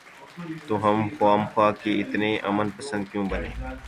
تو ہم خواہ مخواہ کے اتنے امن پسند کیوں بنیں؟